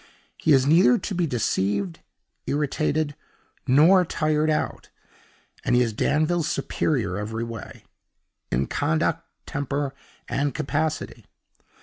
He is neither to be deceived, irritated, nor tired out, and he is Danville's superior every way in conduct, temper, and capacity.